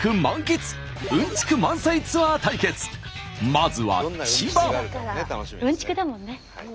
まずは千葉。